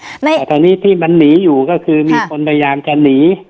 แต่ตอนนี้ที่มันหนีอยู่ก็คือมีคนพยายามจะหนี